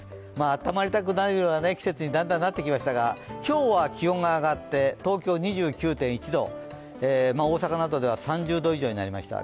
温まりたくなるような季節にだんだん、なってきましたが今日は気温が上がって東京２９．１度、大阪などでは３０度以上になりました。